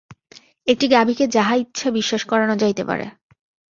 একটি গাভীকে যাহা ইচ্ছা বিশ্বাস করান যাইতে পারে।